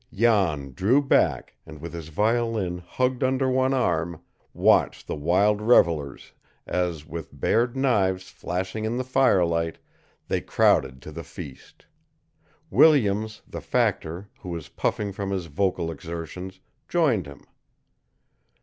Jan drew back, and with his violin hugged under one arm, watched the wild revelers as, with bared knives flashing in the firelight, they crowded to the feast. Williams, the factor, who was puffing from his vocal exertions, joined him.